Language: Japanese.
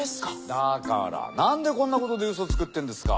だからなんでこんなことでウソつくってんですか？